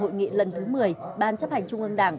hội nghị lần thứ một mươi ban chấp hành trung ương đảng